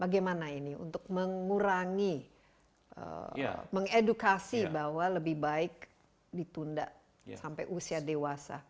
bagaimana ini untuk mengurangi mengedukasi bahwa lebih baik ditunda sampai usia dewasa